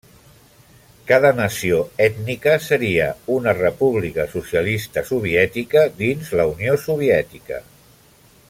Cada nació ètnica seria una república socialista soviètica dins la Unió Soviètica.